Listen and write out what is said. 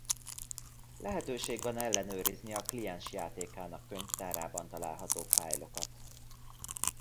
Lehetőség van ellenőrizni a kliens játékának könyvtárában található fájlokat.